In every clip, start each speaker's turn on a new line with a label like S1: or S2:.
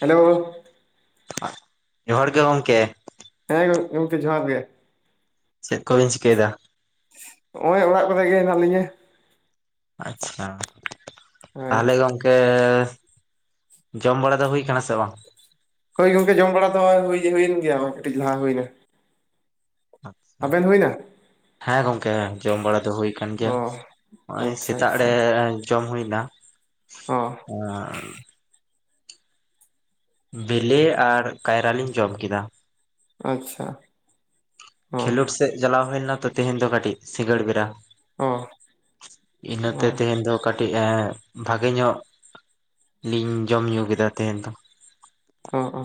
S1: Hello
S2: ᱡᱚᱦᱟᱨ ᱜᱮ ᱜᱚᱝᱠᱮ᱾
S1: ᱦᱮᱸ ᱜᱚᱝ-ᱜᱚᱝᱠᱮ ᱡᱚᱦᱟᱨ ᱜᱮ᱾
S2: ᱪᱮᱫ ᱠᱚᱵᱤᱱ ᱪᱤᱠᱟᱹᱭ ᱫᱟ?
S1: ᱱᱚᱜᱼᱚᱭ ᱚᱲᱟᱜ ᱠᱚᱜ ᱜᱮ ᱦᱮᱱᱟᱜ ᱞᱤᱧᱟᱹ᱾
S2: ᱟᱪᱪᱷᱟ
S1: ᱦᱳᱭ
S2: ᱛᱟᱦᱚᱞᱮ ᱜᱚᱝ ᱠᱮ ᱡᱚᱢ ᱵᱟᱲᱟ ᱫᱚ ᱦᱩᱭ ᱠᱟᱱᱟ ᱥᱮ ᱵᱟᱝ?
S1: ᱦᱳᱭ ᱜᱚᱝᱠᱮ ᱡᱚᱢ ᱵᱟᱲᱟ ᱫᱚ ᱦᱩᱭᱮᱱ ᱜᱮᱭᱟ ᱵᱟᱝ ᱠᱟᱹᱴᱤᱡ ᱞᱟᱦᱟ ᱦᱩᱭᱱᱟ᱾ ᱟᱵᱮᱱ ᱦᱩᱭᱱᱟ?
S2: ᱦᱮᱸ ᱜᱚᱝᱠᱮ ᱦᱮᱸ ᱡᱚᱢ ᱵᱟᱲᱟ ᱫᱚ ᱦᱩᱭ ᱠᱟᱱ
S1: ᱚ
S2: ᱜᱮᱭᱟ ᱱᱚᱜ ᱦᱚᱜ-ᱚᱭ
S1: ᱟᱪᱪᱷᱟ
S2: ᱥᱮᱛᱟᱜ
S1: ᱟᱪᱪᱷᱟ
S2: ᱨᱮ ᱡᱚᱢ ᱦᱩᱭᱱᱟ
S1: ᱚ
S2: ᱟᱨ ᱵᱮᱞᱮ ᱟᱨ ᱠᱟᱭᱨᱟ ᱞᱤᱧ ᱡᱚᱢ ᱠᱮᱫᱟ᱾
S1: ᱟᱪᱪᱷᱟ᱾ ᱚ
S2: ᱠᱷᱮᱞᱳᱰ ᱥᱮᱫ ᱪᱟᱞᱟᱣ ᱦᱩᱭ ᱞᱮᱱᱟ ᱛᱚ ᱛᱮᱦᱮᱧ ᱫᱚ ᱠᱟᱹᱴᱤᱡ ᱥᱤᱸᱜᱟᱹᱲ ᱵᱮᱲᱟ᱾
S1: ᱚ ᱚ
S2: [inaudible] ᱤᱱᱟᱹ
S1: ᱚ
S2: ᱛᱮ ᱛᱮᱦᱮᱧ ᱫᱚ ᱠᱟᱹᱴᱤᱡ ᱮᱻ ᱵᱷᱟᱜᱮ ᱧᱚᱜ ᱞᱤᱧ ᱡᱚᱢ ᱧᱩ ᱠᱮᱫᱟ ᱛᱮᱦᱮᱧ ᱫᱚ᱾
S1: ᱚ-ᱚᱻ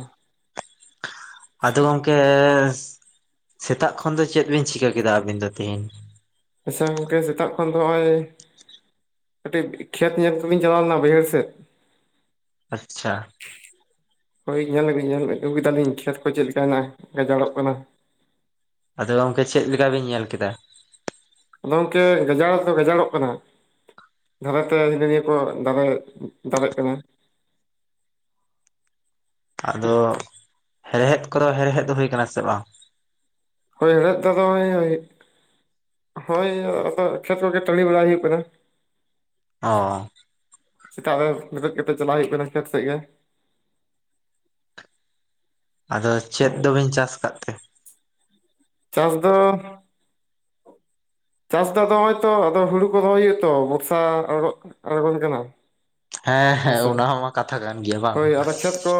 S2: ᱟᱫᱚ ᱜᱚᱝᱠᱮ ᱥᱮᱛᱟᱜ ᱠᱷᱚᱱ ᱫᱚ ᱪᱮᱫ ᱵᱤᱱ ᱪᱤᱠᱟᱹ ᱠᱮᱫᱟ ᱟᱹᱵᱤᱱ ᱫᱚ ᱛᱤᱦᱤᱧ?
S1: ᱟᱪᱪᱷᱟ ᱜᱚᱢᱠᱮ ᱥᱮᱛᱟᱜ ᱠᱷᱚᱱ ᱫᱚ ᱱᱚᱜ-ᱚᱭ ᱠᱟᱹᱴᱤᱡ ᱠᱷᱮᱛ ᱧᱮᱞ ᱠᱚ ᱞᱤᱧ ᱪᱟᱞᱟᱣ ᱞᱮᱱᱟ ᱵᱟᱹᱭᱦᱟᱹᱲ ᱥᱮᱫ,
S2: ᱟᱪᱪᱷᱟ᱾
S1: ᱦᱳᱭ ᱧᱮᱧ ᱧᱮᱞ ᱟᱹᱜᱩ ᱠᱮᱫᱟ ᱞᱤᱧ ᱠᱷᱮᱛ ᱠᱚ ᱪᱮᱫ ᱞᱮᱠᱟ ᱦᱮᱱᱟᱜ-ᱟ ᱜᱟᱡᱟᱲᱚᱜ ᱠᱟᱱᱟ,
S2: ᱟᱫᱚ ᱜᱚᱝᱠᱮ ᱪᱮᱫ ᱞᱮᱠᱟᱵᱤᱱ ᱧᱮᱞ ᱠᱮᱫᱟ?
S1: ᱜᱚᱢᱠᱮ ᱜᱟᱡᱟᱲ ᱫᱚ ᱜᱟᱡᱟᱲᱚᱜ ᱠᱟᱱᱟ᱾ ᱫᱷᱟᱨᱮᱛᱮ ᱦᱤᱱᱟᱹ ᱱᱤᱭᱟᱹ ᱠᱚ ᱫᱟᱨᱮ ᱫᱟᱨᱮᱜ ᱠᱟᱱᱟ᱾
S2: ᱟᱫᱚ [inaudible] ᱦᱮᱲᱦᱮᱫ ᱠᱚᱫᱚ ᱦᱮᱲᱦᱮᱫ ᱫᱚ ᱦᱩᱭ ᱟᱠᱟᱱᱟ ᱥᱮ ᱵᱟᱝ?
S1: ᱦᱳᱭ ᱦᱮᱲᱦᱮᱫ ᱛᱚ ᱫᱚᱢᱮ [unintelligible] ᱦᱳᱭ ᱟᱫᱚ ᱠᱷᱮᱛ ᱠᱚᱜᱮ [unintelligible] ᱵᱟᱲᱟ ᱦᱩᱭᱩᱜ ᱠᱟᱱᱟ᱾
S2: ᱚᱻ
S1: ᱥᱮᱛᱟᱜ ᱨᱮ ᱵᱮᱨᱮᱫ ᱠᱟᱛᱮᱫ ᱪᱟᱞᱟᱜ ᱦᱩᱭᱩᱜ ᱠᱟᱱᱟ ᱠᱷᱮᱛ ᱥᱮᱫ ᱜᱮ,
S2: ᱟᱫᱚ ᱪᱮᱫ
S1: ᱦᱳᱭ
S2: ᱫᱚ ᱵᱤᱱ ᱪᱟᱥ ᱠᱟᱫ ᱛᱮ?
S1: ᱪᱟᱥ ᱫᱚ ᱪᱟᱥ ᱫᱚ ᱦᱚᱜ-ᱚᱭ ᱛᱚ ᱟᱫᱚ ᱦᱩᱲᱩ ᱠᱚ ᱨᱚᱦᱚᱭ ᱦᱩᱭᱩᱜ-ᱟ ᱛᱚ ᱵᱚᱨᱥᱟ ᱟᱨᱚ ᱟᱲᱜᱚᱱ ᱠᱟᱱᱟ᱾
S2: ᱦᱮᱸ ᱦᱮᱸ
S1: ᱦᱮᱸᱥᱮ
S2: ᱚᱱᱟ ᱢᱟ ᱠᱟᱛᱷᱟ ᱠᱟᱱ ᱜᱮᱭᱟ
S1: [inaudible]
S2: ᱵᱟᱝ
S1: ᱦᱳᱭ ᱟᱫᱚ ᱠᱷᱮᱛ ᱠᱚ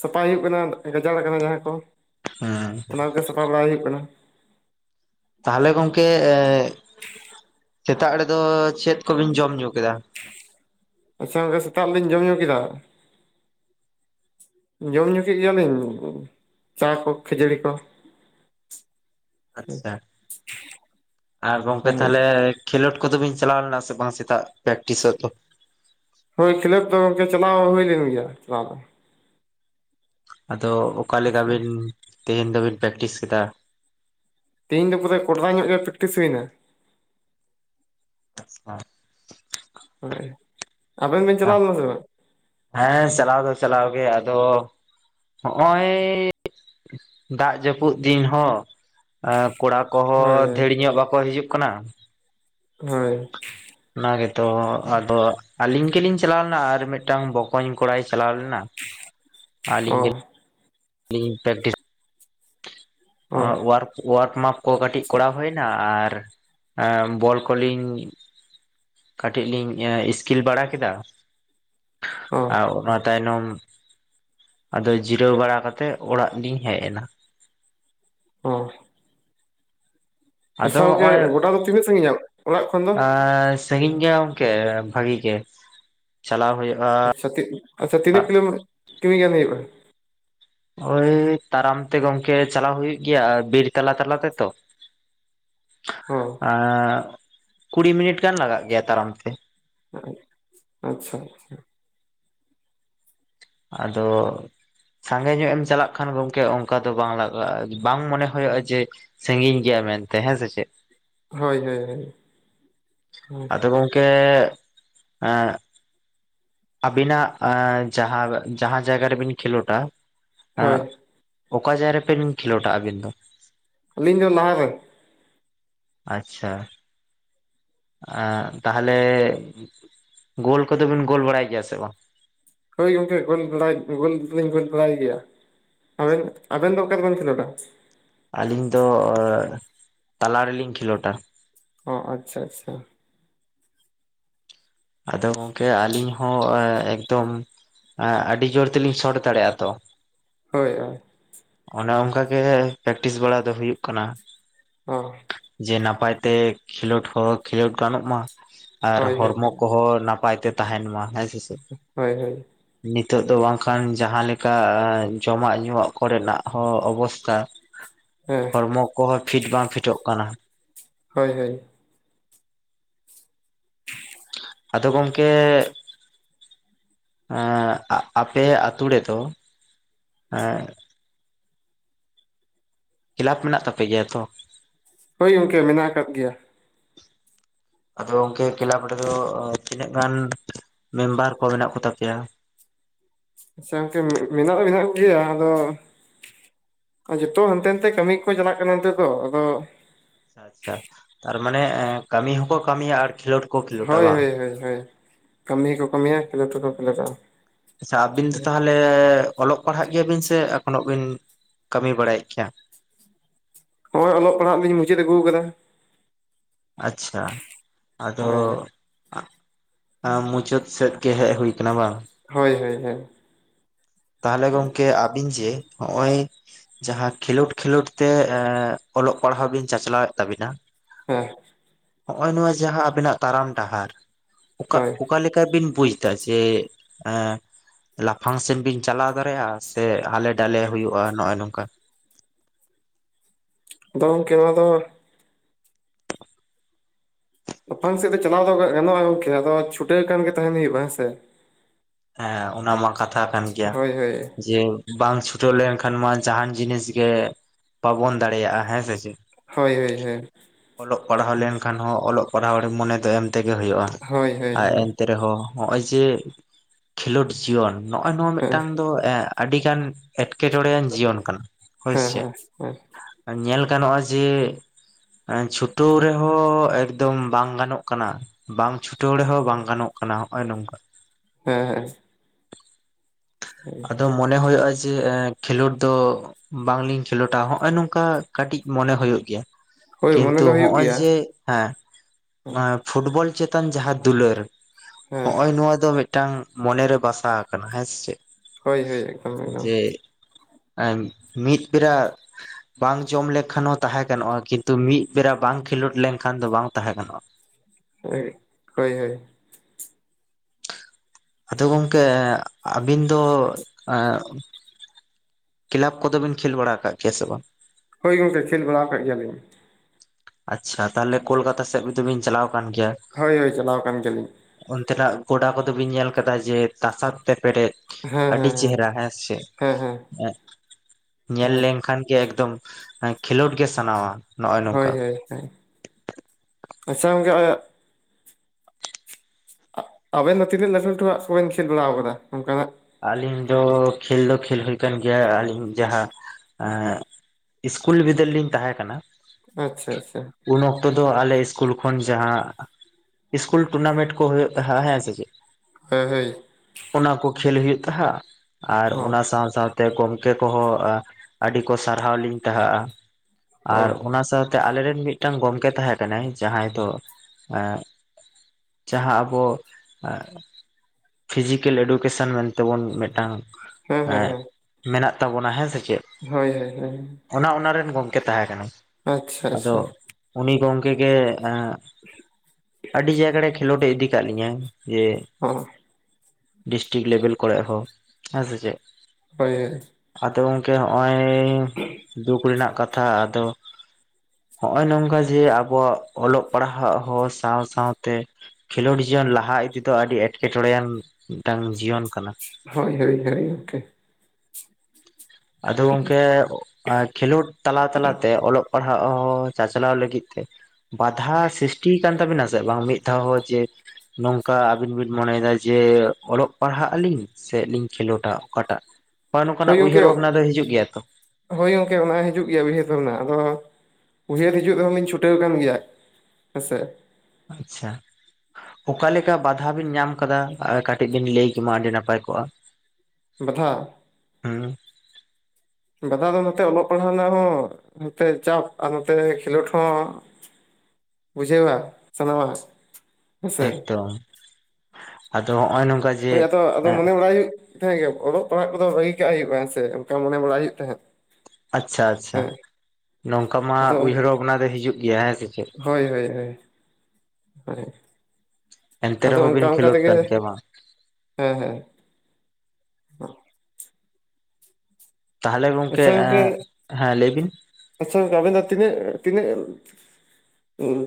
S1: ᱥᱟᱯᱷᱟᱭ ᱦᱩᱭᱩᱜ ᱠᱟᱱᱟ ᱜᱟᱡᱟᱲ ᱠᱟᱱᱟ ᱡᱟᱦᱟᱸ ᱠᱚ,
S2: ᱟᱸᱻ
S1: ᱚᱱᱟ ᱠᱚᱜᱮ ᱥᱟᱯᱷᱟ ᱵᱟᱲᱟ ᱦᱩᱭᱩᱜ ᱠᱟᱱᱟ᱾
S2: ᱛᱟᱦᱚᱞᱮ ᱜᱚᱝᱠᱮ ᱮ ᱥᱮᱛᱟᱜ ᱨᱮᱫᱚ ᱪᱮᱫ ᱠᱚᱵᱤᱱ ᱡᱚᱢ ᱧᱩ ᱠᱮᱫᱟ?
S1: ᱟᱪᱪᱷᱟ ᱜᱚᱝᱠᱮ ᱥᱮᱛᱟᱜ ᱨᱮᱞᱤᱧ ᱡᱚᱢ ᱧᱩ ᱠᱮᱫᱟ ᱡᱚᱢ ᱧᱩ ᱠᱮᱜ ᱜᱮᱭᱟᱞᱤᱧ ᱪᱟ ᱠᱚ ᱠᱷᱟᱡᱟᱹᱲᱤ ᱠᱚ,
S2: [inaudible] ᱟᱪᱪᱷᱟ [inaudible] ᱟᱨ ᱜᱚᱝᱠᱮ
S1: ᱦᱳᱭ
S2: ᱛᱟᱦᱚᱞᱮ ᱠᱷᱮᱞᱳᱰ ᱠᱚᱫᱚ ᱵᱤᱱ ᱪᱟᱞᱟᱣ ᱞᱮᱱᱟ ᱥᱮ ᱵᱟᱝ ᱥᱮᱛᱟᱜ ᱯᱨᱮᱠᱴᱤᱼᱥᱚᱜ ᱫᱚ?
S1: ᱦᱳᱭ ᱠᱷᱮᱞᱳᱰ ᱫᱚ ᱜᱚᱢᱠᱮ ᱪᱟᱞᱟᱣ ᱦᱩᱭ ᱞᱮᱱ ᱜᱮᱭᱟ ᱪᱟᱞᱟᱣ ᱫᱚ᱾
S2: ᱟᱫᱚ ᱚᱠᱟ
S1: ᱦᱮᱸᱥᱮ
S2: ᱞᱮᱠᱟᱵᱤᱱ ᱛᱮᱦᱮᱧ ᱫᱚᱵᱤᱱ ᱯᱮᱠᱴᱤᱥ ᱠᱮᱫᱟ?
S1: ᱛᱮᱦᱮᱧ ᱫᱚ ᱯᱩᱨᱟᱹ ᱠᱚᱰᱽᱨᱟ ᱧᱚᱜ ᱜᱮ ᱯᱮᱠᱴᱤᱥ ᱦᱩᱭ ᱮᱱᱟ᱾
S2: [unintelligible]
S1: ᱦᱳᱭ [inaudible] ᱟᱵᱮᱱ ᱵᱤᱱ ᱪᱟᱞᱟᱣ ᱞᱮᱱᱟ ᱥᱮ ᱵᱟᱝ?
S2: ᱦᱮᱸ ᱪᱟᱞᱟᱣ ᱫᱚ ᱪᱟᱞᱟᱣ ᱜᱮ ᱟᱫᱚ [inaudible] ᱦᱚᱜ-ᱚᱭ, ᱫᱟᱜ ᱡᱟᱹᱯᱩᱫ ᱫᱤᱱ ᱦᱚᱸ ᱠᱚᱲᱟ ᱠᱚᱦᱚᱸ
S1: ᱦᱳᱭ ᱦᱳᱭ
S2: ᱫᱷᱮᱲ ᱧᱚᱜ ᱵᱟᱠᱚ ᱦᱤᱡᱩᱜ ᱠᱟᱱᱟ,
S1: ᱦᱳᱭ᱾ [inaudible]
S2: ᱚᱱᱟ ᱜᱮᱛᱚ ᱟᱫᱚ ᱟᱹᱞᱤᱧ ᱜᱮᱞᱤᱧ ᱪᱟᱞᱟᱣ ᱞᱮᱱᱟ ᱟᱨ ᱢᱤᱫᱴᱟᱝ ᱵᱚᱠᱚᱧ ᱠᱚᱲᱟᱭ ᱪᱟᱞᱟᱣ ᱞᱮᱱᱟ, [inaudible] ᱟᱹᱞᱤᱧ ᱜᱮ
S1: ᱚ
S2: [inaudible] ᱞᱤᱧ ᱯᱨᱮᱠᱴᱤᱥ
S1: ᱚ
S2: ᱳᱣᱟᱨᱠ ᱳᱣᱟᱨᱠ ᱢᱟᱯ ᱠᱚ ᱠᱟᱹᱴᱤᱡ
S1: ᱟᱪᱪᱷᱟ
S2: ᱠᱚᱨᱟᱣ ᱦᱩᱭᱱᱟ, ᱡᱟᱦᱟᱸ ᱟᱨ ᱮᱸᱻ ᱵᱚᱞ ᱠᱚᱞᱤᱧ ᱠᱟᱹᱴᱤᱡ ᱞᱤᱧ ᱤᱥᱠᱤᱞ ᱵᱟᱲᱟ ᱠᱮᱫᱟ [inaudible]
S1: [inaudible]
S2: ᱟᱨ ᱚᱱᱟ ᱛᱟᱭᱱᱚᱢ ᱟᱫᱚ ᱡᱤᱨᱟᱹᱣ ᱵᱟᱲᱟ ᱠᱟᱛᱮᱫ ᱚᱲᱟᱜ ᱞᱤᱧ ᱦᱮᱡ ᱮᱱᱟ᱾
S1: ᱚᱸᱻ
S2: ᱟᱫᱚ ᱦᱚᱸᱜᱼᱚᱭ
S1: ᱜᱚᱝᱠᱮ ᱜᱚᱰᱟ ᱫᱚ ᱛᱤᱱᱟᱹᱜ ᱥᱟᱺᱜᱤᱧᱟ ᱚᱲᱟᱜ ᱠᱷᱚᱱ ᱫᱚ
S2: ᱥᱟᱺᱟᱜᱤᱧ ᱜᱮ ᱜᱚᱝᱠᱮ ᱵᱷᱟᱜᱤ ᱜᱮ ᱪᱟᱞᱟᱣ ᱦᱩᱭᱩᱜ
S1: ᱟᱪᱪᱷᱟ ᱟᱪᱪᱷᱟ ᱛᱤᱱᱟᱹᱜ ᱠᱤᱞᱳᱢᱤ ᱠᱤᱢᱤ ᱜᱟᱱ ᱦᱩᱭᱩᱜᱼᱟ
S2: ᱳᱭ ᱛᱟᱲᱟᱢ ᱛᱮ ᱜᱚᱝᱠᱮ ᱪᱟᱞᱟᱣ ᱦᱩᱭᱩᱜ ᱜᱮᱭᱟ ᱵᱤᱨ ᱛᱟᱞᱟ ᱛᱟᱞᱟ ᱛᱮᱛᱚ [inaudible]
S1: ᱚᱸ
S2: ᱠᱩᱲᱤ ᱢᱤᱱᱤᱴ ᱜᱟᱱ ᱞᱟᱜᱟᱜ ᱜᱮᱭᱟ ᱛᱟᱲᱟᱢ ᱛᱮ
S1: ᱚ ᱟᱪᱪᱷᱟ
S2: ᱟᱫᱚ ᱥᱟᱸᱜᱮ ᱧᱚᱜ ᱮᱢ ᱪᱟᱞᱟᱜ ᱠᱷᱟᱱ ᱜᱚᱝᱠᱮ ᱚᱱᱠᱟ ᱫᱚ ᱵᱟᱝ ᱞᱟᱜᱟᱜᱼᱟ ᱵᱟᱝ ᱢᱚᱱᱮ ᱦᱩᱭᱩᱜᱼᱟ ᱡᱮ ᱥᱟᱺᱜᱤᱧ ᱜᱮᱭᱟ ᱢᱮᱱᱛᱮ ᱦᱮᱸ ᱥᱮ ᱪᱮᱫ
S1: ᱦᱳᱭ ᱦᱳᱭ ᱦᱳᱭ
S2: ᱟᱫᱚ ᱜᱚᱝᱠᱮ ᱟᱵᱤᱱᱟᱜ ᱮᱸ ᱡᱟᱦᱟᱸ ᱡᱟᱭᱜᱟ ᱨᱮᱵᱮᱱ ᱠᱷᱮᱞᱳᱰᱟ ᱮᱸ
S1: ᱦᱳᱭ
S2: ᱚᱠᱟ ᱡᱟᱭᱜᱟ ᱨᱮᱵᱤᱱ ᱠᱷᱮᱞᱳᱰᱟ ᱟᱹᱵᱤᱱ ᱫᱚ
S1: ᱟᱹᱞᱤᱧ ᱫᱚ ᱢᱟᱲᱟᱝ ᱨᱮ
S2: ᱟᱪᱪᱷᱟ ᱮ ᱛᱟᱦᱚᱞᱮ ᱜᱳᱞ ᱠᱚᱫᱚᱵᱤᱱ ᱜᱳᱞ ᱵᱟᱲᱟᱭ ᱜᱮᱭᱟ ᱥᱮ ᱵᱟᱝ
S1: ᱦᱳᱭ ᱜᱚᱝᱠᱮ ᱜᱳᱞ ᱵᱟᱲᱟᱭ ᱜᱳᱞᱞᱤᱧ ᱜᱳᱞ ᱵᱟᱲᱟᱭ ᱜᱮᱭᱟ᱾ ᱟᱵᱮᱱ ᱫᱚᱠᱟ ᱨᱮᱵᱤᱱ ᱠᱷᱮᱞᱳᱰᱟ
S2: ᱟᱹᱞᱤᱧ ᱫᱚ ᱛᱟᱞᱟ ᱨᱮᱞᱤᱧ ᱠᱷᱮᱞᱳᱰᱟ
S1: ᱚ ᱟᱪᱪᱷᱟ ᱟᱪᱪᱷᱟ
S2: ᱟᱫᱚ ᱜᱚᱝᱠᱮ ᱟᱹᱞᱤᱧ ᱦᱚᱸ ᱮᱠᱫᱚᱢ ᱟᱹᱰᱤ ᱡᱳᱨ ᱛᱮᱞᱤᱧ ᱥᱚᱴ ᱫᱟᱲᱮᱭᱟᱜᱼᱟ ᱛᱚ
S1: ᱦᱳᱭ ᱦᱳᱭ
S2: ᱚᱱᱮ ᱚᱱᱠᱟᱜᱮ ᱯᱮᱠᱴᱤᱥ ᱵᱟᱲᱟ ᱫᱚ ᱦᱩᱭᱩᱜ ᱠᱟᱱᱟ᱾
S1: ᱚᱸ
S2: ᱡᱮ ᱱᱟᱯᱟᱭᱛᱮ ᱠᱷᱮᱞᱳᱰ ᱦᱚᱸ ᱠᱷᱮᱞᱳᱰ ᱜᱟᱱᱚᱜ ᱢᱟ ᱟᱨ
S1: ᱦᱳᱭ ᱦᱳᱭ
S2: ᱦᱚᱲᱢᱚ ᱦᱚᱲᱢᱚ ᱠᱚ ᱱᱟᱯᱟᱭ ᱛᱮ ᱛᱟᱦᱮᱱ ᱢᱟ ᱦᱮᱸ ᱥᱮ ᱪᱮᱫ
S1: ᱦᱳᱭ ᱦᱳᱭ
S2: ᱱᱤᱛᱚᱜ ᱫᱚ ᱵᱟᱝᱠᱷᱟᱱ ᱡᱟᱦᱟᱸ ᱞᱮᱠᱟ ᱡᱚᱢᱟᱜ ᱧᱩᱣᱟᱜ ᱠᱚᱨᱮᱱᱟᱜ ᱦᱚᱸ ᱚᱵᱚᱥᱛᱟ
S1: ᱦᱮᱸ
S2: ᱦᱚᱲᱢᱚ ᱠᱚᱦᱚᱸ ᱯᱷᱤᱴ ᱵᱟᱝ ᱯᱷᱤᱴᱚᱜ ᱠᱟᱱᱟ᱾
S1: ᱦᱳᱭ ᱦᱳᱭ
S2: ᱟᱫᱚ ᱜᱚᱢᱠᱮ ᱟᱯᱮᱭᱟᱜ ᱟᱛᱳ ᱨᱮᱫᱚ ᱠᱤᱞᱟᱵᱽ ᱢᱮᱱᱟᱜ ᱛᱟᱯᱮ ᱜᱮᱭᱟ ᱛᱚ᱾
S1: ᱦᱳᱭ ᱜᱚᱝᱠᱮ ᱢᱮᱱᱟᱜ ᱟᱠᱟᱫ ᱜᱮᱭᱟ᱾
S2: [inaudible] ᱟᱫᱚ ᱜᱚᱝᱠᱮ ᱠᱮᱞᱟᱵᱽ ᱨᱮᱫᱚ ᱛᱤᱱᱟᱹᱜ ᱜᱟᱱ ᱢᱮᱢᱵᱟᱨ ᱠᱚ ᱢᱮᱱᱟᱜ ᱠᱚᱛᱟ ᱯᱮᱭᱟ᱾
S1: ᱥᱮ ᱜᱚᱝᱠᱮ ᱢᱮ ᱢᱮᱱᱟᱜ ᱫᱚ ᱢᱮᱱᱟᱜ ᱠᱚᱜᱮᱭᱟ ᱟᱫᱚ ᱟ ᱡᱚᱛᱚ ᱦᱟᱱᱛᱮ ᱱᱟᱛᱮ ᱠᱟᱹᱢᱤ ᱠᱚ ᱪᱟᱞᱟᱜ ᱠᱟᱱᱟ ᱱᱤᱛᱚᱜ ᱫᱚ ᱟᱫᱚ
S2: ᱟᱪᱪᱷᱟ ᱟᱪᱪᱷᱟ ᱟᱨ ᱢᱟᱱᱮ ᱠᱟᱹᱢᱤ ᱦᱚᱸᱠᱚ ᱠᱟᱹᱢᱤᱭᱟ ᱟᱨ ᱠᱷᱮᱞᱳᱰ ᱦᱚᱸᱠᱚ ᱠᱷᱮᱞᱳᱰᱟ
S1: ᱦᱳᱭ
S2: ᱵᱟᱝ
S1: ᱦᱳᱭ ᱦᱳᱭ ᱦᱳᱭ ᱠᱟᱹᱢᱤ ᱦᱚᱸ ᱠᱚ ᱠᱟᱹᱢᱤᱭᱟ ᱠᱷᱮᱞᱳᱰ ᱦᱚᱸ ᱠᱚ ᱠᱷᱮᱞᱳᱰᱚᱜ-ᱟ᱾
S2: ᱟᱪᱪᱷᱟ ᱟᱹᱵᱤᱱ ᱫᱚ ᱛᱟᱦᱟᱞᱮ ᱚᱞᱚᱜ ᱯᱟᱲᱦᱟᱜ ᱜᱮᱭᱟ ᱵᱤᱱ ᱥᱮ ᱮᱠᱷᱚᱱᱚᱜ ᱵᱤᱱ ᱠᱟᱹᱢᱤ ᱵᱟᱲᱟᱭᱮᱜ ᱜᱮᱭᱟ᱾
S1: ᱦᱚᱜ-ᱚᱭ ᱚᱞᱚᱜ ᱯᱟᱲᱦᱟᱜ ᱞᱤᱧ ᱢᱩᱪᱟᱹᱫ ᱟᱜᱩ ᱠᱟᱫᱟ᱾
S2: ᱟᱪᱪᱷᱟ ᱟᱫᱚ
S1: ᱦᱳᱭ
S2: ᱟᱜ ᱢᱩᱪᱟᱹᱫ ᱥᱮᱫ ᱜᱮ ᱦᱮᱜ ᱦᱩᱭ ᱠᱟᱱᱟ ᱵᱟᱝ?
S1: ᱦᱳᱭ ᱦᱳᱭ ᱦᱳᱭ᱾
S2: ᱛᱟᱦᱚᱞᱮ ᱜᱚᱝᱠᱮ ᱟᱵᱤᱱ ᱡᱮ ᱦᱚᱸᱜᱼᱚᱭ ᱡᱟᱦᱟᱸ ᱠᱷᱮᱞᱳᱰ ᱠᱷᱮᱞᱳᱰ ᱛᱮ ᱮᱸᱜ ᱚᱞᱚᱜ ᱯᱟᱲᱦᱟᱣ ᱵᱤᱱ ᱪᱟᱪᱞᱟᱣᱮᱫ ᱛᱟᱵᱤᱱᱟ,
S1: ᱦᱮᱸ᱾
S2: ᱦᱚᱸᱜ-ᱚᱭ ᱱᱚᱣᱟ ᱡᱟᱦᱟᱸ ᱟᱵᱮᱱᱟᱜ ᱛᱟᱨᱟᱢ ᱰᱟᱦᱟᱨ ᱚᱠᱟ
S1: ᱦᱳᱭ
S2: ᱩᱜ ᱚᱠᱟᱞᱮᱠᱟ ᱵᱤᱱ ᱵᱩᱡ ᱫᱟ ᱡᱮ ᱮ ᱞᱟᱯᱷᱟᱝ ᱥᱮᱫ ᱵᱤᱱ ᱪᱟᱞᱟᱣ ᱫᱟᱨᱮᱭᱟᱜᱼᱟ ᱥᱮ ᱦᱟᱞᱮ-ᱰᱟᱞᱮ ᱦᱩᱭᱩᱜ-ᱟ ᱱᱚᱸᱜ-ᱚᱭ ᱱᱚᱝᱠᱟ?
S1: ᱫᱚ ᱜᱚᱝᱠᱮ ᱚᱱᱟ ᱫᱚ ᱞᱟᱯᱷᱟᱝ ᱥᱮᱫ ᱫᱚ ᱪᱟᱞᱟᱣ ᱫᱚ ᱜᱟ ᱜᱟᱱᱚᱜ-ᱟ ᱜᱚᱝᱠᱮ ᱟᱫᱚ ᱪᱷᱩᱴᱟᱹᱣ ᱟᱠᱟᱱ ᱜᱮ ᱛᱟᱦᱮᱸᱱ ᱦᱩᱭᱩᱜ-ᱟ ᱦᱮᱸ ᱥᱮ᱾
S2: ᱦᱮᱸ ᱚᱱᱟ ᱢᱟ ᱠᱟᱛᱷᱟ ᱠᱟᱱ ᱜᱮᱭᱟ
S1: ᱦᱳᱭ ᱦᱳᱭ
S2: ᱡᱮ ᱵᱟᱢ ᱪᱷᱩᱴᱟᱹᱣ ᱞᱮᱱᱠᱷᱟᱱ ᱢᱟ ᱡᱟᱦᱟᱸᱱ ᱡᱤᱱᱤᱥ ᱜᱮ ᱵᱟᱵᱚᱱ ᱫᱟᱲᱮᱭᱟᱜ-ᱟ ᱦᱮᱸ ᱥᱮ ᱪᱮᱫ?
S1: ᱦᱳᱭ ᱦᱳᱭ ᱦᱳᱭ᱾
S2: ᱚᱞᱚᱜ ᱯᱟᱲᱦᱟᱣ ᱞᱮᱱᱠᱷᱟᱱ ᱦᱚᱸ ᱚᱞᱚᱜ ᱯᱟᱲᱦᱟᱣ ᱨᱮ ᱢᱚᱱᱮ ᱫᱚ ᱮᱢ ᱛᱮᱜᱮ ᱦᱩᱭᱩᱜ-ᱟ
S1: ᱦᱳᱭ ᱦᱳᱭ ᱦᱳᱭ ᱦᱮᱸ
S2: ᱟᱨ ᱮᱱᱛᱮ ᱨᱮᱦᱚᱸ ᱦᱚᱸᱜ-ᱚᱭ ᱡᱮ ᱠᱷᱮᱞᱳᱰ ᱡᱤᱭᱚᱱ ᱱᱚᱸᱜ-ᱚᱭ ᱱᱚᱣᱟ
S1: ᱦᱮᱸ
S2: ᱢᱮᱜᱴᱟᱝ ᱫᱚ ᱮᱸᱜ ᱟᱹᱰᱤᱜᱟᱱ ᱮᱸᱴᱠᱮᱴᱚᱲᱮ ᱭᱟᱱ ᱡᱤᱭᱚᱱ ᱠᱟᱱᱟ᱾ ᱦᱳᱭ
S1: ᱦᱮᱸ
S2: ᱥᱮᱪᱮᱫ ᱧᱮᱞ ᱜᱟᱱᱚᱜ-ᱟ ᱡᱮ ᱮᱸ ᱪᱷᱩᱴᱟᱹᱣ ᱨᱮᱦᱚᱸ ᱮᱠᱫᱚᱢ ᱵᱟᱝ ᱜᱟᱱᱚᱜ ᱠᱟᱱᱟ, ᱵᱟᱝ ᱪᱷᱩᱴᱟᱹᱣ ᱨᱮᱦᱚᱸ ᱵᱟᱝ ᱜᱟᱱᱚᱜ ᱠᱟᱱᱟ ᱦᱚᱸᱜ-ᱚᱭ ᱱᱚᱝᱠᱟ᱾
S1: ᱦᱮᱸ ᱦᱮᱸ᱾
S2: ᱟᱫᱚ ᱢᱚᱱᱮ ᱦᱳᱭᱳᱜ-ᱟ ᱡᱮ ᱮᱸ ᱠᱷᱮᱞᱳᱰ ᱫᱚ ᱵᱟᱝᱞᱤᱧ ᱠᱷᱮᱞᱳᱰᱟ ᱦᱚᱸᱜ-ᱚᱭ ᱱᱚᱝᱠᱟ ᱠᱟᱹᱴᱤᱡ ᱢᱚᱱᱮ ᱦᱳᱭᱳᱜ ᱜᱮᱭᱟ᱾
S1: ᱦᱳᱭ ᱢᱚᱱᱮ
S2: ᱠᱤᱱᱛᱩ
S1: ᱫᱚ ᱦᱩᱭᱩᱜ
S2: ᱦᱚᱸᱜ-ᱚᱭ
S1: ᱜᱮᱭᱟ
S2: ᱡᱮ ᱦᱮᱸ ᱱᱚᱣᱟ ᱯᱷᱩᱴᱵᱚᱞ ᱪᱮᱛᱟᱱ ᱡᱟᱦᱟᱸ ᱫᱩᱞᱟᱹᱨ
S1: ᱦᱮᱸ
S2: ᱦᱚᱸᱜ-ᱚᱭ ᱱᱚᱣᱟ ᱫᱚ ᱢᱤᱫ ᱴᱟᱝ ᱢᱚᱱᱮ ᱨᱮ ᱵᱟᱥᱟ ᱠᱟᱱᱟ ᱦᱮᱸ ᱥᱮ ᱪᱮᱫ?
S1: ᱦᱳᱭ ᱦᱳᱭ ᱮᱠ
S2: ᱡᱮ ᱮᱸ ᱢᱤᱫ ᱵᱮᱨᱟ ᱵᱟᱝ ᱡᱚᱢ ᱞᱮᱠᱷᱟᱱ ᱦᱚᱸ ᱛᱟᱦᱮᱸ ᱜᱟᱱᱚᱜ-ᱟ ᱠᱤᱱᱛᱩ ᱢᱤᱜ ᱵᱮᱲᱟ ᱵᱟᱝ ᱠᱷᱮᱞᱳᱰ ᱞᱮᱝᱠᱷᱟᱱ ᱫᱚ ᱵᱟᱝ ᱛᱟᱦᱮᱸ ᱜᱟᱱᱚᱜ-ᱟ᱾
S1: ᱦᱳᱭ ᱦᱳᱭ ᱦᱳᱭ᱾
S2: ᱟᱫᱚ ᱜᱚᱝᱠᱮ ᱟᱵᱤᱱ ᱫᱚ ᱮᱸᱜ ᱠᱮᱞᱟᱵᱽ ᱠᱚᱫᱚ ᱵᱤᱱ ᱠᱷᱮᱞ ᱵᱟᱲᱟ ᱠᱟᱜ ᱜᱮᱭᱟ ᱥᱮ ᱵᱟᱝ?
S1: ᱦᱳᱭ ᱜᱚᱝᱠᱮ ᱠᱷᱮᱞ ᱵᱟᱲᱟᱣ ᱠᱟᱜ ᱜᱮᱭᱟᱞᱤᱧ᱾
S2: ᱟᱪᱪᱷᱟ ᱛᱟᱦᱞᱮ ᱠᱳᱞᱠᱟᱛᱟ ᱥᱮᱜ ᱫᱚᱵᱤᱧ ᱪᱟᱞᱟᱣ ᱠᱟᱱ ᱜᱮᱭᱟ?
S1: ᱦᱳᱭ ᱦᱳᱭ ᱪᱟᱞᱟᱣ ᱠᱟᱱ ᱜᱮᱭᱟᱞᱤᱧ᱾
S2: ᱚᱱᱛᱮᱱᱟᱜ ᱜᱚᱰᱟ ᱠᱚᱫᱚ ᱵᱤᱱ ᱧᱮᱞ ᱠᱟᱫᱟ ᱡᱮ ᱛᱟᱥᱟᱫ ᱛᱮ ᱯᱮᱨᱮᱡ
S1: ᱦᱮᱸ ᱦᱮᱸ᱾
S2: ᱪᱮᱦᱨᱟ ᱦᱮᱸ ᱥᱮ?
S1: ᱦᱮᱸ ᱦᱮᱸ᱾
S2: ᱮᱸᱜ ᱧᱮᱞ
S1: ᱦᱳᱭ
S2: ᱞᱮᱝᱠᱷᱟᱱ ᱜᱮ ᱮᱠᱫᱚᱢ ᱠᱷᱮᱞᱳᱰ ᱜᱮ ᱥᱟᱱᱟᱣᱟ᱾ ᱱᱚᱜᱼᱚᱭ
S1: ᱦᱳᱭ
S2: ᱱᱚᱝᱠᱟ
S1: ᱦᱳᱭ ᱟᱪᱪᱷᱟ ᱜᱚᱝᱠᱮ [inaudible] ᱟᱸᱜ ᱟᱵᱮᱱ ᱫᱚ ᱛᱤᱱᱟᱹᱜ ᱞᱟᱹᱴᱷᱩ ᱞᱟᱹᱴᱷᱩᱣᱟᱜ ᱠᱚᱵᱮᱱ ᱠᱷᱮᱞ ᱵᱟᱲᱟᱣ ᱠᱟᱫᱟ ᱚᱝᱠᱟᱱᱟᱜ?
S2: ᱟᱞᱤᱧ ᱫᱚ ᱠᱷᱮᱞ ᱫᱚ ᱠᱷᱮᱞ ᱦᱩᱭ ᱠᱟᱱ ᱜᱮᱭᱟ ᱟᱞᱤᱧ ᱡᱟᱦᱟᱸ ᱟᱸᱜ ᱤᱥᱠᱩᱞ ᱵᱤᱫᱟᱹᱞ ᱞᱤᱧ ᱛᱟᱦᱮᱸ ᱠᱟᱱᱟ
S1: ᱟᱪᱪᱷᱟ ᱟᱪᱪᱷᱟ᱾
S2: ᱩᱱ ᱚᱠᱛᱚ ᱫᱚ ᱟᱞᱮ ᱤᱥᱠᱩᱞ ᱠᱷᱚᱱ ᱡᱟᱦᱟᱸ ᱤᱥᱠᱩᱞ ᱴᱩᱨᱱᱟᱢᱮᱱᱴ ᱠᱚ ᱦᱩᱭᱩᱜ ᱛᱟᱦᱮᱸ ᱦᱮᱸ ᱥᱮ ᱪᱮᱜ ᱾
S1: ᱦᱳᱭ ᱦᱳᱭ
S2: ᱚᱱᱟ ᱠᱚ ᱠᱷᱮᱞ ᱦᱩᱭᱩᱜ ᱛᱟᱦᱮᱜ ᱟᱨ
S1: ᱚ
S2: ᱚᱱᱟ ᱥᱟᱶ ᱥᱟᱶ ᱛᱮ ᱜᱚᱝᱠᱮ ᱠᱚᱦᱚᱸ ᱟ ᱟᱹᱰᱤ ᱠᱚ ᱥᱟᱨᱦᱟᱣ ᱞᱤᱧ ᱛᱟᱦᱮᱸᱜᱼᱟ
S1: ᱚ
S2: ᱟᱨ ᱚᱱᱟ ᱥᱟᱶ ᱛᱮ ᱟᱞᱮᱨᱮᱱ ᱢᱤᱫᱴᱟᱝ ᱜᱚᱝᱠᱮ ᱛᱟᱦᱮᱸ ᱠᱟᱱᱟᱭ ᱡᱟᱦᱟᱸᱭ ᱫᱚ ᱮᱸ ᱡᱟᱦᱟᱸ ᱟᱵᱚ ᱯᱷᱤᱡᱤᱠᱮᱞ ᱮᱰᱩᱠᱮᱥᱚᱱ ᱢᱮᱱᱛᱮ ᱵᱚᱱ ᱢᱤᱫᱴᱟᱝ
S1: ᱦᱮᱸ ᱦᱮᱸ
S2: ᱮᱸᱜ
S1: ᱦᱮᱸ
S2: ᱢᱮᱱᱟᱜ ᱛᱟᱵᱚᱱᱟ ᱦᱮᱸᱥᱮ ᱪᱮᱜ ᱾
S1: ᱦᱳᱭ ᱦᱳᱭ ᱦᱳᱭ ᱾
S2: ᱚᱱᱟ ᱚᱱᱟᱨᱮᱱ ᱜᱚᱝᱠᱮ ᱛᱟᱦᱮᱸ ᱠᱟᱱᱟᱭ
S1: ᱟᱪᱪᱷᱟ
S2: ᱟᱫᱚ
S1: ᱟᱪᱪᱷᱟ
S2: ᱩᱱᱤ ᱜᱚᱝᱠᱮ ᱜᱮ ᱮᱸᱜ ᱟᱹᱰᱤ ᱡᱟᱭᱜᱟ ᱨᱮ ᱠᱷᱮᱞᱳᱰᱮ ᱤᱫᱤ ᱠᱟᱜ ᱞᱤᱧᱟ ᱡᱮ
S1: ᱦᱚᱸ
S2: ᱰᱤᱥᱴᱤᱠ ᱞᱮᱵᱮᱞ ᱠᱚᱨᱮ ᱦᱚᱸ ᱦᱮᱸ ᱥᱮ ᱪᱮᱜ ᱾
S1: ᱦᱳᱭ ᱦᱳᱭ
S2: ᱟᱫᱚ ᱜᱚᱝᱠᱮ ᱦᱚᱜᱼᱚᱭ ᱫᱩᱠ ᱨᱮᱱᱟᱜ ᱠᱟᱛᱷᱟ ᱟᱫᱚ ᱦᱚᱜᱼᱚᱭ ᱱᱚᱝᱠᱟ ᱡᱮ ᱟᱵᱚᱣᱟᱜ ᱚᱞᱚᱜ ᱯᱟᱲᱦᱟᱜ ᱦᱚᱸ ᱥᱟᱶ ᱥᱟᱶᱛᱮ ᱠᱷᱮᱞᱳᱰ ᱡᱤᱭᱚᱱ ᱞᱟᱦᱟ ᱤᱫᱤ ᱫᱚ ᱟᱹᱰᱤ ᱮᱸᱴᱠᱮᱴᱚᱬᱮᱭᱟᱱ ᱢᱤᱫᱴᱟᱝ ᱡᱤᱭᱚᱱ ᱠᱟᱱᱟ ᱾
S1: ᱦᱳᱭ ᱦᱳᱭ ᱦᱳᱭ ᱜᱚᱝᱠᱮ ᱾
S2: ᱟᱫᱚ ᱜᱚᱝᱠᱮ ᱠᱷᱮᱞᱳᱰ ᱛᱟᱞᱟ ᱛᱟᱞᱟᱛᱮ ᱚᱞᱚᱜ ᱯᱟᱲᱦᱟᱜ ᱦᱚᱸ ᱪᱟᱪᱞᱟᱣ ᱞᱟᱹᱜᱤᱫ ᱛᱮ ᱾ ᱵᱟᱫᱷᱟ ᱥᱤᱥᱴᱤᱭ ᱠᱟᱱ ᱛᱟᱵᱮᱱᱟ ᱥᱮ ᱵᱟᱝ ᱢᱤᱫ ᱫᱷᱟᱣ ᱦᱚᱸ ᱡᱮ ᱱᱚᱝᱠᱟ ᱟᱹᱵᱤᱱ ᱵᱤᱱ ᱢᱚᱱᱮᱭ ᱮᱫᱟ ᱡᱮ ᱚᱞᱚᱜ ᱯᱟᱲᱦᱟᱜ ᱟᱹᱞᱤᱧ ᱾ ᱥᱮᱜ ᱞᱤᱧ ᱠᱷᱮᱞᱳᱰᱟ ᱚᱠᱟᱴᱟᱜ ᱱᱚᱜᱼᱚᱭ
S1: ᱦᱳᱭ
S2: ᱱᱚᱠᱟᱱᱟᱜ
S1: ᱜᱚᱝᱠᱮ
S2: ᱩᱭᱦᱟᱹᱨ ᱵᱷᱟᱵᱱᱟ ᱫᱚ ᱦᱤᱡᱩᱜ ᱜᱮᱭᱟ ᱛᱚ ᱾
S1: ᱦᱳᱭ ᱜᱚᱝᱠᱮ ᱚᱱᱟ ᱦᱤᱡᱩᱜ ᱜᱮᱭᱟ ᱩᱭᱦᱟᱹᱨ ᱵᱷᱟᱵᱱᱟ ᱟᱫᱚ ᱩᱭᱦᱟᱹᱨ ᱦᱤᱡᱩᱜ ᱨᱮᱦᱚᱸ ᱞᱤᱧ ᱪᱷᱩᱴᱟᱹᱣ ᱠᱟᱱ ᱜᱮᱭᱟ ᱦᱮᱸᱥᱮ ᱾
S2: ᱟᱪᱪᱷᱟ ᱚᱠᱟ ᱞᱮᱠᱟ ᱵᱟᱫᱷᱟ ᱵᱤᱱ ᱧᱟᱢ ᱠᱟᱫᱟ ᱠᱟᱹᱴᱤᱡ ᱵᱤᱱ ᱞᱟᱹᱭ ᱠᱮᱢᱟ ᱟᱹᱰᱤ ᱱᱟᱯᱟᱭ ᱠᱚᱜᱼᱟ ᱾
S1: ᱵᱟᱫᱷᱟ
S2: ᱦᱩᱸ
S1: ᱵᱟᱫᱷᱟ ᱫᱚ ᱱᱚᱛᱮ ᱚᱞᱚᱜ ᱯᱟᱲᱦᱟᱣ ᱨᱮᱱᱟᱜ ᱦᱚᱸ ᱱᱚᱛᱮ ᱪᱟᱯ ᱟᱨ ᱱᱚᱛᱮ ᱠᱷᱮᱞᱳᱰ ᱦᱚᱸ ᱾ ᱵᱩᱡᱷᱟᱹᱣᱟ ᱥᱟᱱᱟᱢᱟᱜ ᱾
S2: ᱮᱠᱫᱚᱢ ᱟᱫᱚ ᱦᱚᱜᱼᱚᱭ ᱱᱚᱝᱠᱟ ᱡᱮ
S1: ᱦᱳᱭ ᱟᱫᱚ ᱟᱫᱚ ᱢᱚᱱᱮ ᱵᱟᱲᱟᱭ ᱛᱟᱦᱮᱸ ᱜᱮᱭᱟ ᱠᱚ ᱚᱞᱚᱜ ᱯᱟᱲᱦᱟᱜ ᱠᱚᱫᱚ ᱵᱟᱹᱜᱤ ᱠᱟᱜ ᱦᱩᱭᱩᱜᱼᱟ ᱦᱮᱸ ᱥᱮ ᱚᱝᱠᱟ ᱢᱚᱱᱮ ᱵᱟᱲᱟᱭ ᱦᱩᱭᱩᱜ ᱛᱟᱦᱮᱸᱫ ᱾
S2: ᱟᱪᱪᱷᱟ ᱟᱪᱪᱷᱟ ᱱᱚᱝᱠᱟ ᱢᱟ
S1: ᱟᱫᱚ
S2: ᱩᱭᱦᱟᱹᱨ ᱵᱷᱟᱵᱽᱱᱟ ᱨᱮ ᱦᱤᱡᱩᱜ ᱜᱮᱭᱟ ᱦᱮᱸ ᱥᱮ ᱪᱮᱫ ᱾
S1: ᱦᱳᱭ ᱦᱳᱭ ᱦᱳᱭ ᱦᱳᱭ ᱾
S2: ᱮᱱᱛᱮ
S1: ᱟᱫᱚ
S2: ᱨᱮᱦᱚᱸ
S1: ᱚᱝᱠᱟ
S2: ᱵᱤᱱ
S1: ᱚᱝᱠᱟ
S2: ᱠᱷᱮᱞᱳᱰ
S1: ᱛᱮᱜᱮ
S2: ᱠᱟᱱ ᱜᱮᱭᱟ ᱵᱟᱝ
S1: ᱦᱮᱸ ᱦᱮᱸ ᱾
S2: ᱛᱟᱦᱚᱞᱮ ᱜᱚᱝᱠᱮ ᱮᱸ ᱦᱮᱸ ᱞᱟᱹᱭ ᱵᱤᱱ ᱾
S1: ᱟᱪᱪᱷᱟ ᱜᱚᱝᱠᱮ ᱟ. ᱵᱮᱱ ᱛᱤᱱᱟᱹᱜ ᱛᱤᱱᱟᱹᱜ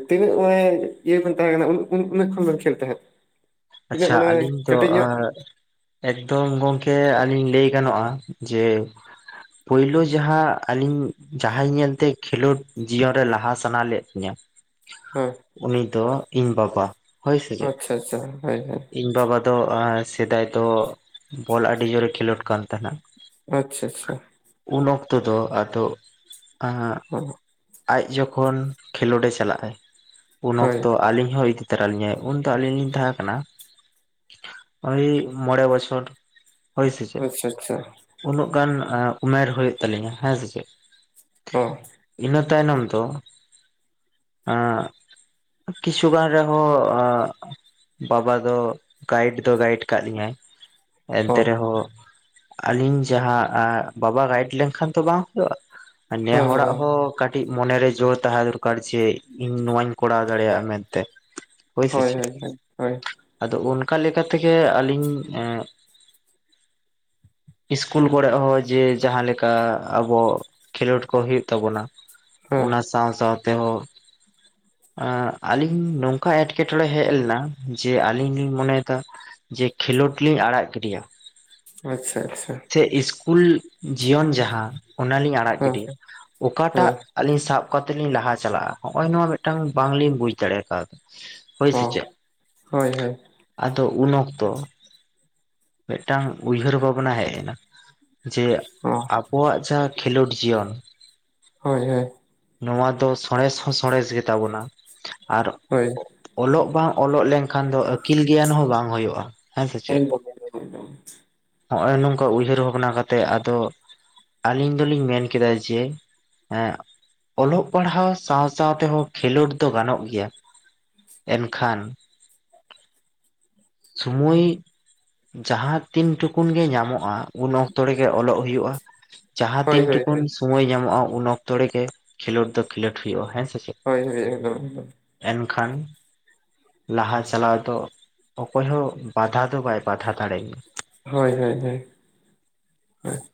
S1: ᱛᱤᱱᱟᱹᱜ ᱩᱸᱭ ᱤᱭᱟᱹ ᱵᱮᱱ ᱛᱟᱦᱮᱸ ᱠᱟᱱᱟ ᱩᱱᱟᱹᱜ ᱩᱱᱟᱹᱜ ᱠᱷᱚᱱ ᱵᱮᱱ ᱠᱷᱮᱞ ᱛᱟᱦᱮᱸᱫ ᱾
S2: ᱟᱪᱪᱷᱟ ᱟᱹᱞᱤᱧ ᱫᱚ ᱮᱸᱜ ᱾ ᱮᱠᱫᱚᱢ ᱜᱚᱝᱠᱮ ᱟᱹᱞᱤᱧ ᱞᱟᱹᱭ ᱜᱟᱱᱚᱜᱼᱟ ᱡᱮ ᱯᱳᱭᱞᱳ ᱡᱟᱦᱟᱸ ᱟᱹᱞᱤᱧ ᱡᱟᱦᱟᱸᱭ ᱧᱮᱞᱛᱮ ᱠᱷᱮᱞᱳᱰ ᱡᱤᱭᱚᱱᱨᱮ ᱞᱟᱦᱟ ᱥᱟᱱᱟ ᱞᱮᱫ ᱞᱤᱧᱟ ᱾ [inaudible]
S1: ᱦᱮᱸ
S2: ᱩᱱᱤ ᱫᱚ ᱤᱧ ᱵᱟᱵᱟ ᱦᱳᱭ ᱥᱮ ᱪᱮᱜ ᱾
S1: ᱟᱪᱪᱷᱟ ᱦᱳᱭ ᱦᱳᱭ ᱾
S2: ᱤᱧ ᱵᱟᱵᱟ ᱫᱚ ᱮᱸ ᱥᱮᱫᱟᱭ ᱫᱚ ᱵᱚᱞ ᱟᱹᱰᱤ ᱡᱳᱨᱮ ᱠᱷᱮᱞᱳᱰ ᱠᱟᱱ ᱛᱟᱦᱮᱱᱟ ᱾
S1: ᱟᱪᱪᱷᱟ ᱟᱪᱪᱷᱟ ᱾
S2: ᱩᱱ ᱚᱠᱛᱚ ᱫᱚ ᱟᱫᱚ [inaudible] ᱟᱸᱜ
S1: ᱦᱮᱸ ᱾
S2: ᱟᱡ ᱡᱚᱠᱷᱚᱱ ᱠᱷᱮᱞᱳᱰ ᱮ ᱪᱟᱞᱟᱜ-ᱟᱭ ᱩᱱ
S1: ᱦᱳᱭ
S2: ᱚᱠᱛᱚ ᱟᱞᱤᱧ ᱦᱚᱸ ᱤᱫᱤ ᱩᱛᱟᱹᱨ ᱟᱞᱤᱧᱟᱭ ᱩᱱᱫᱚ ᱫᱚ ᱟᱞᱤᱧ ᱞᱤᱧ ᱛᱟᱦᱮᱸ ᱠᱟᱱᱟ [inaudible] ᱳᱭ ᱢᱚᱬᱮ ᱵᱚᱪᱷᱚᱨ ᱦᱳᱭ ᱥᱮ ᱪᱮᱫ?
S1: ᱟᱪᱪᱷᱟ ᱟᱪᱪᱷᱟ
S2: ᱩᱱᱟᱹᱜ ᱜᱟᱱ ᱩᱢᱮᱨ ᱦᱩᱭᱩᱜ ᱛᱟᱹᱞᱤᱧᱟ ᱦᱮᱸ ᱥᱮ ᱪᱮᱫ ᱾
S1: ᱦᱚᱸ ᱾
S2: ᱤᱱᱟᱹ ᱛᱟᱭᱱᱚᱢ ᱫᱚ ᱮᱸ [inaudible] ᱠᱤᱪᱷᱩᱜᱟᱱ ᱨᱮᱦᱚᱸ ᱵᱟᱵᱟ ᱟᱫᱚ ᱜᱟᱭᱤᱰ ᱫᱚ ᱜᱟᱭᱤᱰ ᱠᱟᱜ ᱞᱤᱧᱟᱭ [inaudible] ᱮᱱᱛᱮ
S1: ᱦᱚᱸ
S2: ᱨᱮᱦᱚᱸ ᱟᱞᱤᱧ ᱡᱟᱦᱟᱸ ᱵᱟᱵᱟ ᱜᱟᱭᱤᱰ ᱞᱮᱱᱠᱷᱟᱱ ᱛᱚ ᱵᱟᱝ ᱦᱩᱭᱩᱜ-ᱟ ᱾ ᱱᱮ
S1: ᱦᱮᱸ
S2: ᱦᱚᱲᱟᱜ
S1: ᱦᱮᱸ
S2: ᱦᱚᱸ ᱠᱟᱹᱴᱤᱡ ᱢᱚᱱᱮᱨᱮ ᱡᱳᱨ ᱛᱟᱦᱮᱸ ᱫᱚᱨᱠᱟᱨ ᱡᱮ ᱤᱧ ᱱᱚᱣᱟᱧ ᱠᱚᱨᱟᱣ ᱫᱟᱲᱮᱭᱟᱜ-ᱟ ᱢᱮᱱᱛᱮ ᱾
S1: ᱦᱳᱭ ᱦᱳᱭ ᱦᱳᱭ ᱾
S2: ᱟᱫᱚ ᱚᱱᱠᱟ ᱞᱮᱠᱟ ᱛᱮᱜᱮ ᱟᱹᱞᱤᱧ ᱮᱸ [inaudible] ᱤᱥᱠᱩᱞ ᱠᱚᱨᱮ ᱦᱚᱸ ᱡᱮ ᱡᱟᱦᱟᱸ ᱞᱮᱠᱟ ᱟᱵᱚ ᱠᱷᱮᱞᱳᱰ ᱠᱚ ᱦᱳᱭᱳᱜ ᱛᱟᱵᱚᱱᱟ
S1: ᱦᱮᱸ
S2: ᱚᱱᱟ ᱥᱟᱶ ᱥᱟᱶ ᱛᱮᱦᱚᱸ ᱮᱸ ᱟᱞᱤᱧ ᱱᱚᱝᱠᱟ ᱮᱴᱠᱮᱴᱚᱬᱮ ᱦᱮᱡ ᱞᱮᱱᱟ ᱡᱮ ᱟᱞᱤᱧ ᱞᱤᱧ ᱢᱚᱱᱮᱭᱮᱫᱟ ᱡᱮ ᱠᱷᱮᱞᱳᱰ ᱞᱤᱧ ᱟᱲᱟᱜ ᱜᱤᱰᱤᱭᱟ ᱾
S1: ᱟᱪᱪᱷᱟ ᱟᱪᱪᱷᱟ ᱾
S2: ᱥᱮ ᱤᱥᱠᱩᱞ ᱡᱤᱭᱚᱱ ᱡᱟᱦᱟᱸ ᱚᱱᱟᱞᱤᱧ ᱟᱲᱟᱜ ᱜᱤᱰᱤᱭᱟ ᱾ [inaudible] ᱚᱠᱟᱴᱟᱜ ᱟᱹᱞᱤᱧ ᱥᱟᱵ ᱠᱟᱛᱮᱜ ᱞᱤᱧ ᱞᱟᱦᱟ ᱪᱟᱞᱟᱜ-ᱟ ᱱᱚᱜ-ᱚᱭ ᱱᱚᱣᱟ ᱢᱤᱫᱴᱟᱝ ᱵᱟᱝᱞᱤᱧ ᱵᱩᱡ ᱫᱟᱲᱮ ᱠᱟᱣᱫᱟ ᱾ ᱦᱳᱭ ᱥᱮ ᱪᱮᱫ ᱾ [inaudible] ᱟᱫᱚ ᱩᱱ ᱚᱠᱛᱚ [inaudible] ᱢᱤᱫᱴᱟᱝ ᱩᱭᱦᱟᱹᱨ ᱵᱷᱟᱵᱽᱱᱟ ᱦᱮᱡ [inaudible] ᱡᱮ ᱟᱵᱚᱣᱟᱜ ᱡᱟᱦᱟᱸ ᱠᱷᱮᱞᱳᱰ ᱡᱤᱭᱚᱱ [inaudible]
S1: ᱦᱳᱭ ᱦᱳᱭ ᱾
S2: ᱱᱚᱣᱟ ᱫᱚ ᱥᱚᱬᱮᱥ ᱦᱚᱸ ᱥᱚᱬᱮᱥ ᱜᱮ ᱛᱟᱵᱚᱱᱟ ᱾ [inaudible] ᱟᱨ
S1: ᱦᱳᱭ ᱾
S2: ᱚᱞᱚᱜ ᱵᱟᱝ ᱚᱞᱚᱜ ᱞᱮᱱᱠᱷᱟᱱ ᱫᱚ ᱟᱹᱠᱤᱞ ᱜᱮᱭᱟᱱ ᱦᱚᱸ ᱵᱟᱝ ᱦᱩᱭᱩᱜ-ᱟ ᱾
S1: [unintelligible]
S2: ᱱᱚᱜ-ᱚᱭ ᱱᱚᱝᱠᱟ ᱩᱭᱦᱟᱹᱨ ᱵᱷᱟᱵᱽᱱᱟ ᱠᱟᱛᱮᱜ ᱟᱫᱚ ᱟᱞᱤᱧ ᱫᱚᱞᱤᱧ ᱢᱮᱱ ᱠᱮᱫᱟ ᱡᱮ [inaudible] ᱮᱸ ᱚᱞᱚᱜ ᱯᱟᱲᱦᱟᱣ ᱥᱟᱶ ᱥᱟᱶ ᱛᱮᱦᱚᱸ ᱠᱷᱮᱞᱳᱰ ᱫᱚ ᱜᱟᱱᱚᱜ ᱜᱮᱭᱟ ᱾ ᱮᱱᱠᱷᱟᱱ [inaudible] ᱥᱳᱢᱚᱭ [inaudible] ᱡᱟᱦᱟᱸ ᱛᱤᱱ ᱴᱩᱠ ᱩᱱ ᱜᱮ ᱧᱟᱢᱚᱜ-ᱟ ᱩᱱ ᱚᱠᱛᱚ ᱨᱮᱜᱮ ᱚᱞᱚᱜ ᱦᱩᱭᱩᱜ-ᱟ ᱾ ᱡᱟᱦᱟᱸ ᱛᱤᱱ ᱴᱩᱠᱩᱱ ᱥᱳᱢᱚᱭ ᱧᱟᱢᱚᱜ-ᱟ ᱩᱱ ᱚᱠᱛᱚ ᱨᱮᱜᱮ ᱠᱷᱮᱞᱳᱰ ᱫᱚ ᱠᱷᱮᱞᱳᱰ ᱦᱩᱭᱩᱜ-ᱟ ᱦᱮᱸ ᱥᱮ ᱪᱮᱫ ᱾
S1: ᱦᱳᱭ ᱦᱳᱭ ᱮᱫᱚᱢ ᱾
S2: ᱮᱱᱠᱷᱟᱱ ᱞᱟᱦᱟ ᱪᱟᱞᱟᱣ ᱫᱚ ᱚᱠᱚᱭ ᱦᱚᱸ ᱵᱟᱫᱷᱟ ᱫᱚ ᱵᱟᱭ ᱵᱟᱫᱷᱟ ᱫᱟᱲᱮ
S1: ᱦᱳᱭ ᱦᱳᱭ ᱦᱳᱭ ᱾ [inaudible]